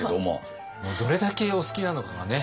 どれだけお好きなのかがね